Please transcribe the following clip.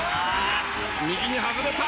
右に外れた。